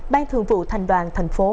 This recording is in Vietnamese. ban thường vụ thành đoàn thành phố